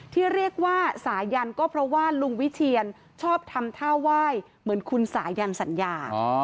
ที่เรียกว่าสายันก็เพราะว่าลุงวิเชียนชอบทำท่าไหว้เหมือนคุณสายันสัญญา